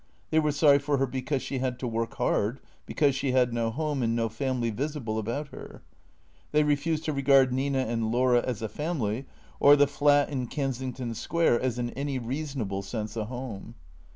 They were sorry for her because she had to work hard, because she had no home and no family visible about her. They refused to regard Nina and Laura as a family, or the flat in Kensington Square as in any reasonable sense a home.